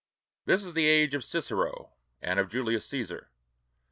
This is the age of Cicero and of Julius Cæsar.